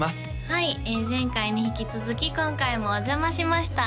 はい前回に引き続き今回もお邪魔しました